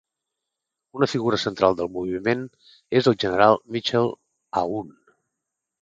Una figura central del moviment és el general Michel Aoun.